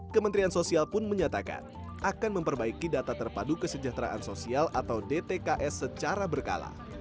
kementerian sosial pun menyatakan akan memperbaiki data terpadu kesejahteraan sosial atau dtks secara berkala